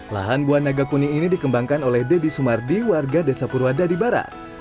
lahan buah naga kuning ini dikembangkan oleh deddy sumardi warga desa purwadadi barat